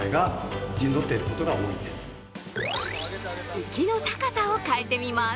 浮きの高さを変えてみます。